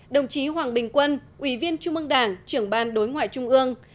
đồng chí hoàng bình quân ủy viên trung ương đảng trưởng ban đối ngoại trung ương